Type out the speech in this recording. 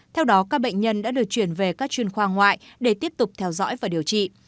theo đó các bệnh nhân đã được chuyển về các chuyên khoa ngoại để tiếp tục theo dõi và điều trị